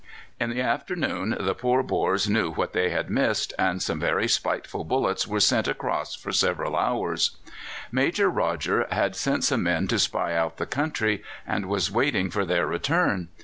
In the afternoon the poor Boers knew what they had missed, and some very spiteful bullets were sent across for several hours. Major Rodger had sent some men to spy out the country, and was waiting for their return.